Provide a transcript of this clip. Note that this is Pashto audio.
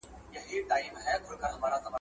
که مینه وي نو ژبه نه سختيږي.